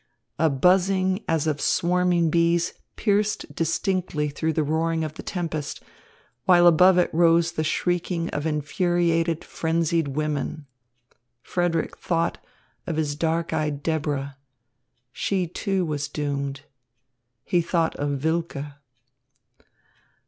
A buzzing as of swarming bees pierced distinctly through the roaring of the tempest, while above it rose the shrieking of infuriated, frenzied women. Frederick thought of his dark eyed Deborah. She, too, was doomed. He thought of Wilke.